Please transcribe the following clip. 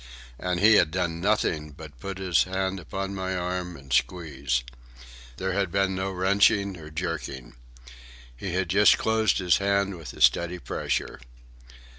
And he had done nothing but put his hand upon my arm and squeeze. There had been no wrenching or jerking. He had just closed his hand with a steady pressure.